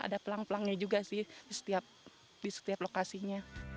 ada pelang pelangnya juga sih di setiap lokasinya